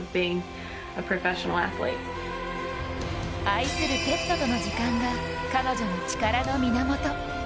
愛するペットとの時間が彼女の力の源。